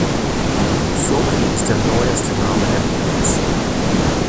Sughd ist der neueste Name der Provinz.